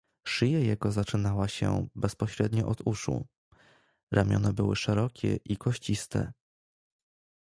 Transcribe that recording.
"Szyja jego zaczynała się bezpośrednio od uszu, ramiona były szerokie i kościste."